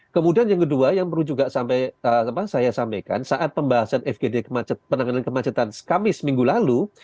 kemudian yang kedua yang perlu juga saya sampaikan saat pembahasan fgd penanganan kemacetan kamis minggu lalu